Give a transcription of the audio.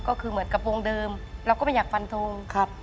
ก็คือเหมือนกับวงเดิมเราก็ไม่อยากฟันทงครับ